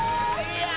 いや！